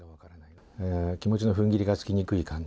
気持ちのふんぎりがつきにくい感じ。